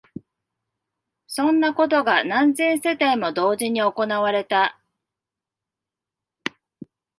そんなことが何千世帯も同時に行われた